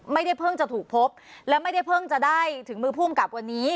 ไม่ได้เพิ่งจะถูกพบและไม่ได้เพิ่งจะได้ถึงมือภูมิกับวันนี้